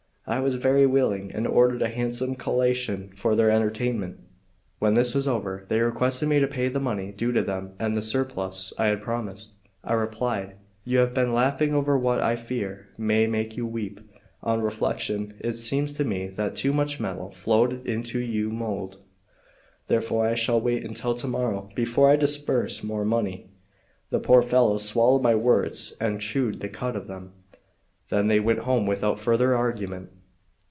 I was very willing, and ordered a handsome collation for their entertainment. When this was over, they requested me to pay the money due to them and the surplus I had promised. I replied: "You have been laughing over what, I fear, may make you weep. On reflection, it seems to me that too much metal flowed into you mould. Therefore I shall wait until to morrow before I disburse more money." The poor fellows swallowed my words and chewed the cud of them; then they went home without further argument.